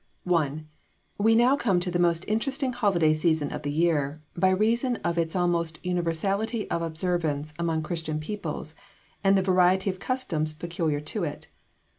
I. We come now to the most interesting holiday season of the year, by reason of its almost universality of observance among Christian peoples, and the variety of customs peculiar to it.